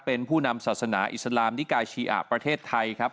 เป็นผู้นำศาสนาอิสลามนิกาชีอะประเทศไทยครับ